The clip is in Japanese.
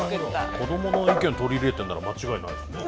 子どもの意見取り入れてんなら間違いないですね。